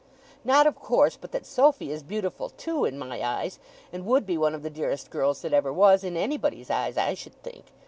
'Not, of course, but that Sophy is beautiful too in my eyes, and would be one of the dearest girls that ever was, in anybody's eyes (I should think).